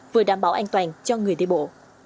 vừa đảm bảo an toàn cho người đi bộ